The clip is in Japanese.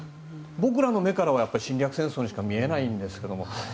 僕らの目からは侵略戦争にしか見えないんですが。